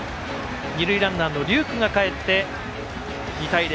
二塁ランナーの龍空がかえって２対０。